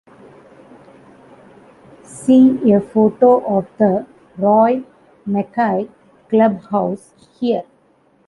See a photo of the Roy McKay Clubhouse here.